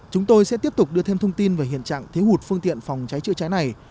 chúng tôi sẽ tiếp tục đưa thêm thông tin về hiện trạng thiếu hụt phương tiện phòng cháy chữa cháy này